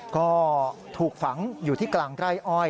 ก็ถูกฝังอยู่ที่กลางไร่อ้อย